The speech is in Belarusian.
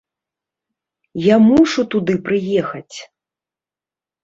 Я мушу туды прыехаць!